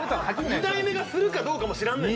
２代目がするかどうかも知らんねん